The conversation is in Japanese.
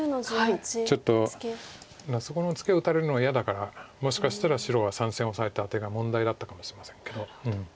ちょっとそこのツケを打たれるのが嫌だからもしかしたら白は３線オサえた手が問題だったかもしれませんけど。